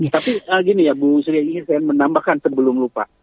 tapi gini ya bu sri yang ingin saya menambahkan sebelum lupa